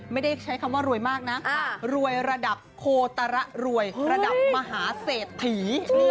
ไม่ได้ใช้คำว่ารวยมากนะรวยระดับโคตระรวยระดับมหาเศรษฐี